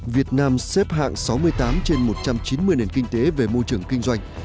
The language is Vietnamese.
việt nam xếp hạng sáu mươi tám trên một trăm chín mươi nền kinh tế về môi trường kinh doanh